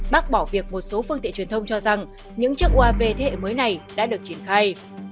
bác bỏ việc một số phương tiện truyền thông cho rằng những chiếc uav thế hệ mới này đã được triển khai